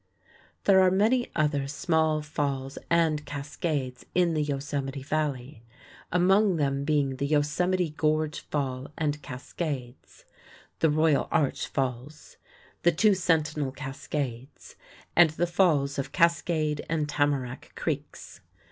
There are many other small falls and cascades in the Yosemite Valley, among them being the Yosemite Gorge Fall and Cascades, the Royal Arch Falls, the Two Sentinel Cascades, and the falls of Cascade and Tamarack Creeks.